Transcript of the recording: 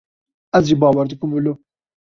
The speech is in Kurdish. Ez jî bawer dikim wilo.